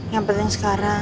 yang penting sekarang